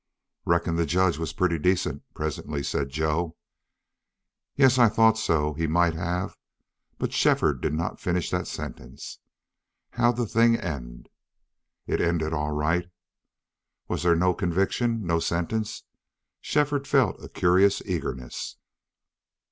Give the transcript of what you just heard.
"Reckon the judge was pretty decent," presently said Joe. "Yes, I thought so. He might have " But Shefford did not finish that sentence. "How'd the thing end?" "It ended all right." "Was there no conviction no sentence?" Shefford felt a curious eagerness.